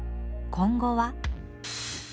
今後は？